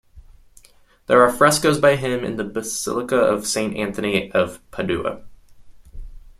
There are frescoes by him in the Basilica of Saint Anthony of Padua.